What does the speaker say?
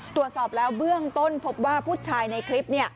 ตรวจสอบแล้วเบื้องต้นพบว่าผู้ชายในคลิป